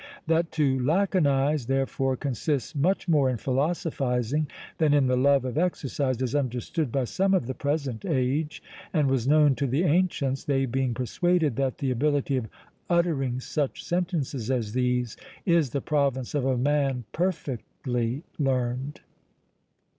That to laconise, therefore, consists much more in philosophising than in the love of exercise, is understood by some of the present age, and was known to the ancients, they being persuaded that the ability of uttering such sentences as these is the province of a man perfectly learned.